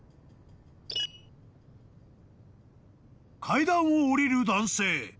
［階段を下りる男性］